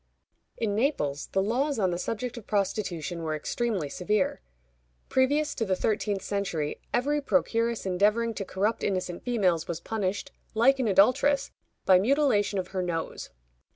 In Naples, the laws on the subject of prostitution were extremely severe. Previous to the thirteenth century, every procuress endeavoring to corrupt innocent females was punished, like an adulteress, by mutilation of her nose.